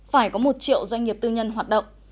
phải có một triệu doanh nghiệp tư nhân hoạt động